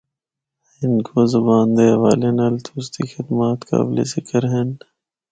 ہندکو زبان دے حوالے نال تُسدی خدمات قابل ذکر ہن۔